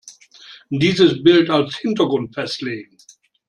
Dieses Bild als Hintergrund festlegen.